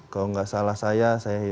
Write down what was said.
kalau nggak salah saya